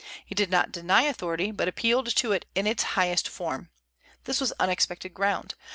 He did not deny authority, but appealed to it in its highest form. This was unexpected ground.